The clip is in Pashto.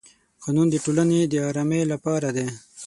قانون د ټولنې د ارامۍ لپاره دی.